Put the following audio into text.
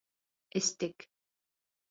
Эстек!